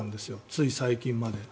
つい最近まで。